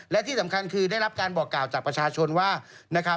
และที่สำคัญคือได้รับการบอกกล่าวจากประชาชนว่านะครับ